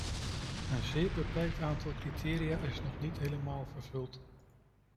Een zeer beperkt aantal criteria is nog niet helemaal vervuld.